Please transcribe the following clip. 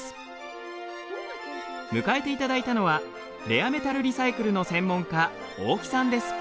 迎えていただいたのはレアメタルリサイクルの専門家大木さんです。